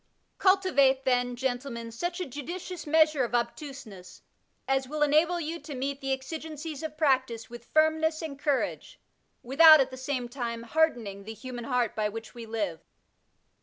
Cultivate, then, gentlemen, such a judicious measure of obtuseness as will enable you to meet the exigencies of practice with finnness and courage, without, at the same time, hardening ^' the human heart by which we live.''